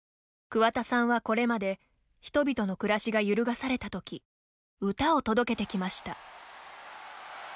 桑田さんはこれまで人々の暮らしが揺るがされたとき歌を届けてきました。